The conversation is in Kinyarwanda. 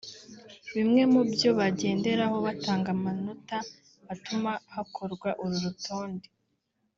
Bimwe mu byo bagenderaho batanga amanota atuma hakorwa uru rutonde